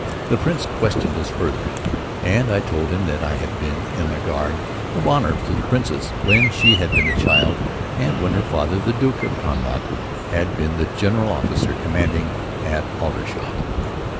The Prince questioned us further and I told him that I had been on a guard of honor to the Princess when she had been a child and when her father, the Duke of Connaught had been the General Officer Commanding at Aldershot.